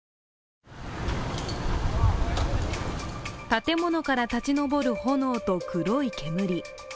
建物から立ち上る炎と黒い煙。